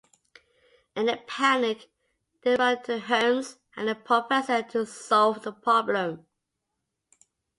In a panic, they run to Hermes and the Professor to solve the problem.